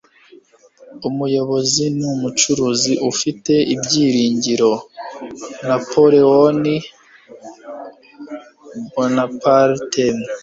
umuyobozi ni umucuruzi ufite ibyiringiro. - napoleon bonaparte